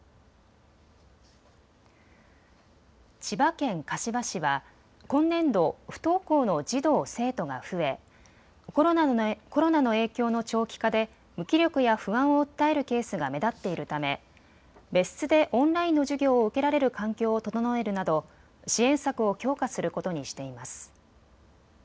千葉県柏市は、今年度、不登校の児童・生徒が増え、コロナの影響の長期化で無気力や不安を訴えるケースが目立っているため別室でオンラインの授業を受けられる環境を整えるなど、支援策を強化することにしています。